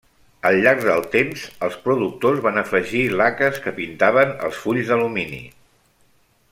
Al llarg del temps, els productors van afegir laques que pintaven els fulls d'alumini.